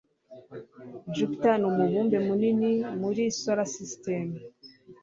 jupiter ni umubumbe munini muri solar system